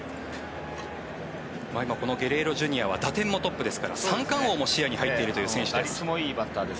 今、このゲレーロＪｒ．は打点もトップですから三冠王も視野に入っているバッターです。